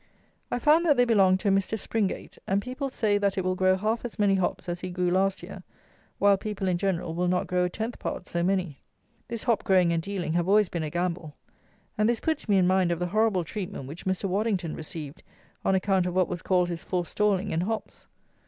I found that they belonged to a Mr. Springate, and people say that it will grow half as many hops as he grew last year, while people in general will not grow a tenth part so many. This hop growing and dealing have always been a gamble; and this puts me in mind of the horrible treatment which Mr. Waddington received on account of what was called his forestalling in hops!